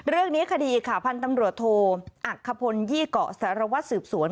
เรื่องนี้คดีข่าวพันธ์ตำรวจโทอักขพยี่เกาะสารวัตรสืบสวน